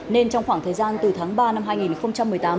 nên trong khoảng thời gian từ tháng ba năm hai nghìn một mươi tám